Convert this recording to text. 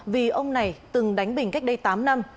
vì ông này từng đánh bình cách đây tám năm